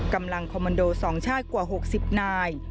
กำลังคอมมันโด๒ชาติกว่า๖๐นาย